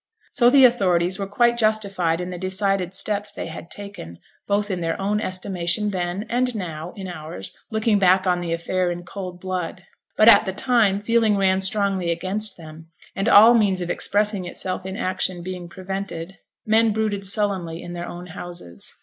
So the authorities were quite justified in the decided steps they had taken, both in their own estimation then, and now, in ours, looking back on the affair in cold blood. But at the time feeling ran strongly against them; and all means of expressing itself in action being prevented, men brooded sullenly in their own houses.